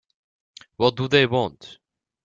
What do they want?